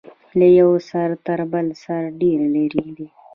له یوه سر تر بل سر ډیر لرې دی.